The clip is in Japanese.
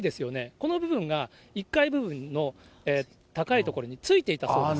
この部分が、１階部分の高い所についていたそうです。